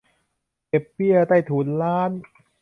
เก็บเบี้ยใต้ถุนร้าน